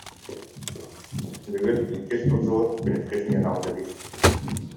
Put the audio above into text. Бүгүн иккис взвод күнүскү сменаҕа үлэлиир